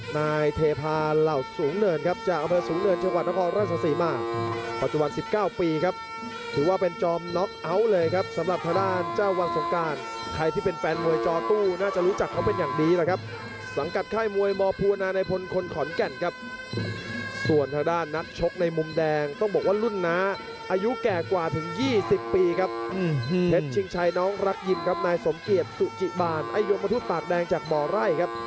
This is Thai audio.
นายสมเกียจสุจิบานไอโยมทูตปากแดงจากบ่อไร่ครับ